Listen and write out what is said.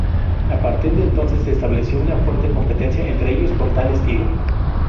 A partir de entonces se estableció una fuerte competencia entre ellos por tal estilo.